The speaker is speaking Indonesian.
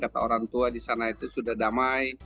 kata orang tua di sana itu sudah damai